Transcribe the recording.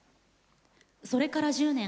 それから１０年。